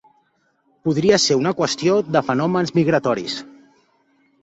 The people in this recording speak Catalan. Podria ser una qüestió de fenòmens migratoris.